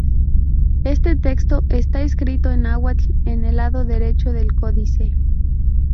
Este texto está escrito en náhuatl en el lado derecho del códice.